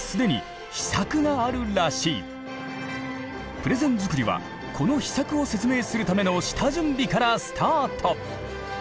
プレゼン作りはこの秘策を説明するための下準備からスタート。